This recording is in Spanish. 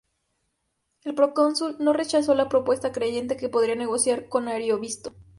El procónsul no rechazó la propuesta creyendo que podría negociar con Ariovisto.